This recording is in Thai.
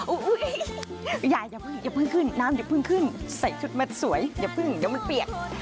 อุ๊ยย่ายอย่าเพิ่งขึ้นน้ำใส่ชุดแบบนี้สวยอย่าเพิ่งมันเปียก